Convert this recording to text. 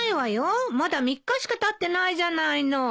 まだ３日しかたってないじゃないの。